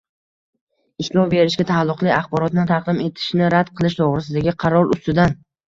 ishlov berishga taalluqli axborotni taqdim etishni rad qilish to‘g‘risidagi qaror ustidan